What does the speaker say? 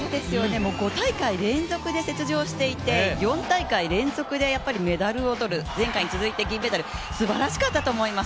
５大会連続で出場していて４大会連続でメダルを取る、前回に続いて銀メダル、すばらしかったと思います。